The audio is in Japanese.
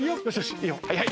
はいはい。